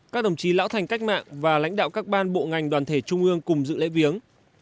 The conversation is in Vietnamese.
các đồng chí lão thành cách mạng và lãnh đạo các ban bộ ngành đoàn thể trung ương cùng dự lễ viếng